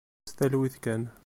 S talwit kan.